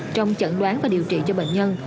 trong chẩn đoán và điều trị cho bệnh nhân